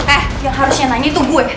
eh yang harusnya nanya tuh gue